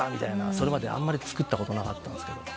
それまであんまり作ったことなかったんですけど。